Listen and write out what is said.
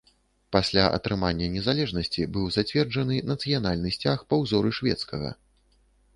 Пасля атрымання незалежнасці быў зацверджаны нацыянальны сцяг па ўзоры шведскага.